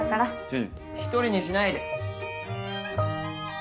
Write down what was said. ちょっ一人にしないで。